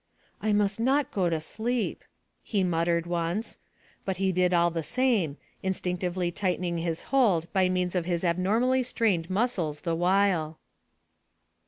"I must not go to sleep," he muttered once; but he did all the same, instinctively tightening his hold by means of his abnormally strained muscles the while.